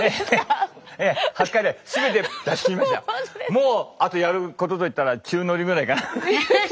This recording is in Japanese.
もうあとやることと言ったら宙乗りくらいかな。